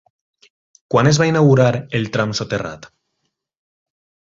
Quan es va inaugurar el tram soterrat?